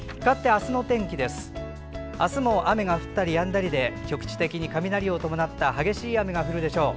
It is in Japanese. あすも雨が降ったりやんだりで局地的に雷を伴った激しい雨が降るでしょう。